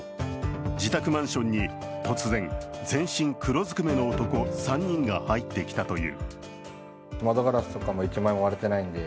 自宅マンションに突然、全身黒ずくめの男３人が入ってきたという。